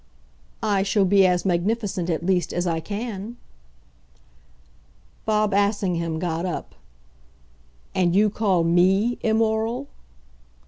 "I shall be as magnificent, at least, as I can." Bob Assingham got up. "And you call ME immoral?"